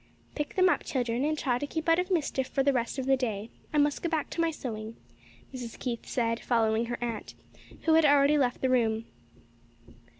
"Pick them up, children, and try to keep out of mischief for the rest of the day. I must go back to my sewing," Mrs. Keith said, following her aunt, who had already left the room.